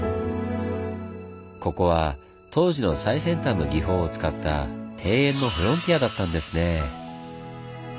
ここは当時の最先端の技法を使った庭園のフロンティアだったんですねぇ。